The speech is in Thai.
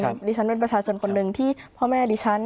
ดิฉันเป็นประชาชนคนหนึ่งที่พ่อแม่ดิฉัน